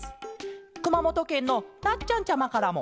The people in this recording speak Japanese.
くまもとけんのなっちゃんちゃまからも。